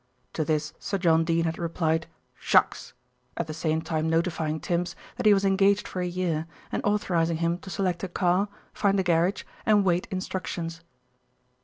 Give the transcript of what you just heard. To this Sir John Dene had replied, "Shucks!" at the same time notifying Tims that he was engaged for a year, and authorising him to select a car, find a garage, and wait instructions.